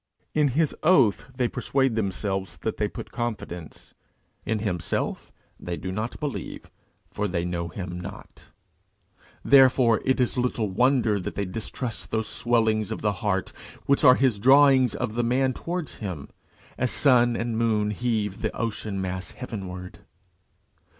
In his oath they persuade themselves that they put confidence: in himself they do not believe, for they know him not. Therefore it is little wonder that they distrust those swellings of the heart which are his drawings of the man towards him, as sun and moon heave the ocean mass heavenward.